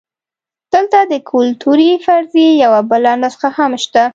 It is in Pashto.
دلته د کلتوري فرضیې یوه بله نسخه هم شته.